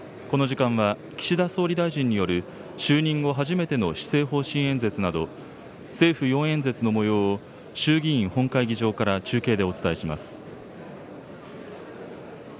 この時間は、岸田総理大臣による就任後初めての施政方針演説など、政府４演説のもようを、衆議院本会議場から、中継でお伝えします。